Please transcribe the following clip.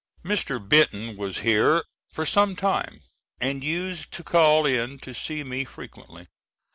Mr. Benton was here for some time and used to call in to see me frequently.